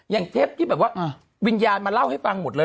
เทปที่แบบว่าวิญญาณมาเล่าให้ฟังหมดเลย